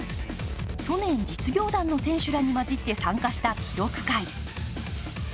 去年、実業団の選手らに交じって参加した記録会。